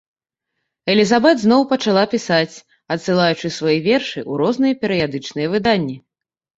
Элізабет зноў пачала пісаць, адсылаючы свае вершы ў розныя перыядычныя выданні.